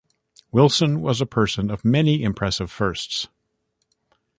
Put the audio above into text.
Wilson was a person of many impressive firsts.